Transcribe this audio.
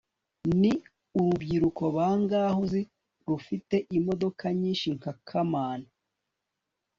ni urubyiruko bangahe uzi rufite imodoka nyinshi nka kamana